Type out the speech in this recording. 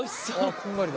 こんがりだ。